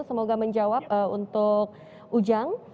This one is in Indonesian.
semoga menjawab untuk ujang